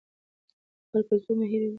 خپل کلتور مه هېروئ.